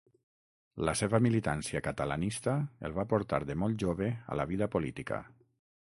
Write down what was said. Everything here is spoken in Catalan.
La seva militància catalanista el va portar de molt jove a la vida política.